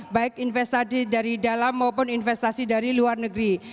baik investasi dari dalam maupun investasi dari luar negeri